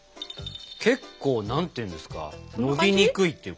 結構何ていうんですか伸びにくいっていうかね。